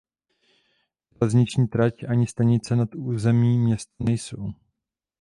Železniční trať ani stanice na území města nejsou.